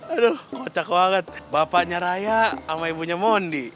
aduh kocak banget bapaknya raya sama ibunya mondi